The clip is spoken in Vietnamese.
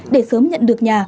để sớm nhận được nhà